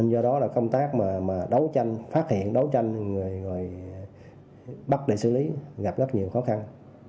do đó công tác phát hiện đấu tranh người bắt để xử lý gặp rất nhiều khó khăn